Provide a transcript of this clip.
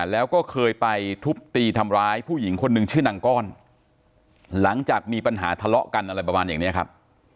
แล้วก็เคยไปทุบตีทำร้ายผู้หญิงคนหนึ่งชื่อนางก้อนหลังจากมีปัญหาทะเลาะกันอะไรประมาณอย่างนี้ครับ